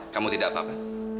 kamu tidak apa apa